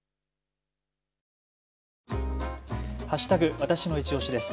＃わたしのいちオシです。